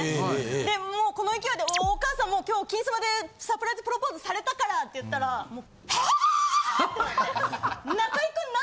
でもうこの勢いで「おお母さん今日『金スマ』でサプライズプロポーズされたから」って言ったら「ハァ！？」って言って。